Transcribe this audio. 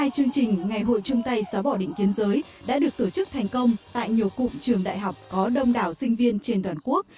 hai chương trình ngày hội trung tây xóa bỏ định kiến giới đã được tổ chức thành công tại nhiều cụm trường đại học có đông đảo sinh viên trên toàn quốc